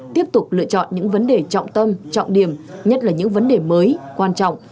tiếp tục lựa chọn những vấn đề trọng tâm trọng điểm nhất là những vấn đề mới quan trọng